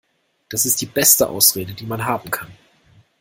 Das ist die beste Ausrede, die man haben kann.